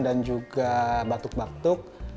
dan juga batuk batuk